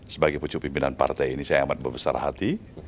sebagai pucuk pimpinan partai ini saya amat berbesar hati